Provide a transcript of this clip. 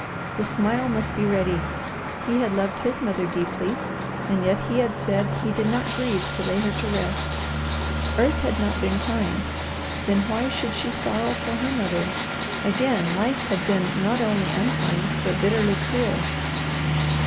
The smile must be ready. He had loved his mother deeply, and yet he had said he did not grieve to lay her to rest. Earth had not been kind. Then why should she sorrow for her mother? Again life had been not only unkind, but bitterly cruel.